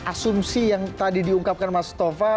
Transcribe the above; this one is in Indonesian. asumsi yang tadi diungkapkan mas tova